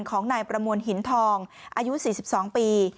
ของนายประมวลหินทองอายุ๔๒ปี